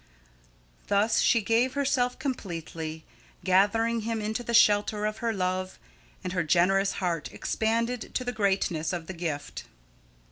Thus she gave herself completely; gathering him into the shelter of her love; and her generous heart expanded to the greatness of the gift.